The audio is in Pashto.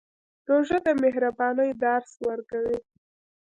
روژه د مهربانۍ درس ورکوي.